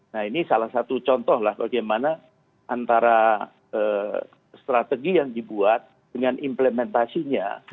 nah ini salah satu contoh lah bagaimana antara strategi yang dibuat dengan implementasinya